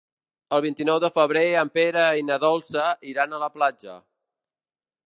El vint-i-nou de febrer en Pere i na Dolça iran a la platja.